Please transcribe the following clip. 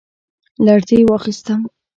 لـړزې واخيسـتم ،